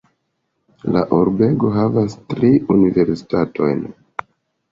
La urbego havas tri universitatojn.